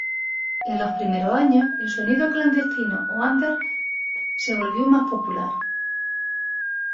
En los primeros años, el sonido clandestino o under se volvió más popular.